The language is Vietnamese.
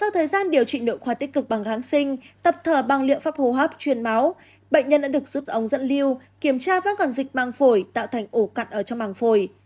trịnh độ khoa tích cực bằng gáng sinh tập thở bằng liệu pháp hô hấp chuyên máu bệnh nhân đã được giúp ống dẫn lưu kiểm tra vác quản dịch mảng phổi tạo thành ổ cặn ở trong mảng phổi